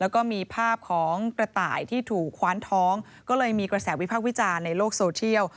แล้วก็มีภาพของกระต่ายที่ถูกคว้านท้องก็เลยมีกระแสวิพากษ์วิจารณ์ในโลกโซเชียล